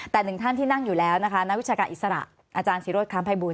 แต่หนึ่งท่านที่นั่งอยู่แล้วนะคะนักวิชาการอิสระอาจารย์ศิโรธค้ำภัยบูร